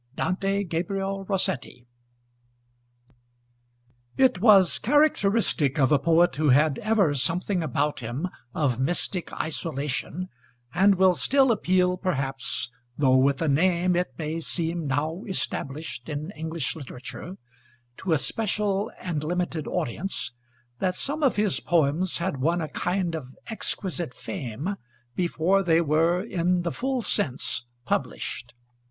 DANTE GABRIEL ROSSETTI IT was characteristic of a poet who had ever something about him of mystic isolation, and will still appeal perhaps, though with a name it may seem now established in English literature, to a special and limited audience, that some of his poems had won a kind of exquisite fame before they were in the full sense published.